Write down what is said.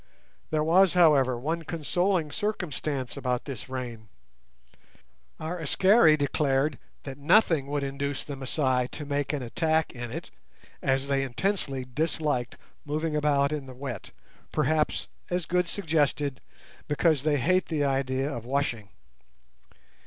There was, however, one consoling circumstance about this rain; our Askari declared that nothing would induce the Masai to make an attack in it, as they intensely disliked moving about in the wet, perhaps, as Good suggested, because they hate the idea of washing.